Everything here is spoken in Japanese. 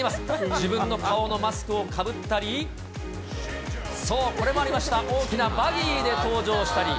自分の顔のマスクをかぶったり、そう、これもありました、大きなバギーで登場したり。